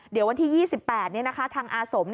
เดี๋ยววันที่๒๘ทางอาสม